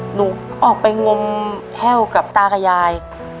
หนูออกไปงมแห้วกับตากับยาย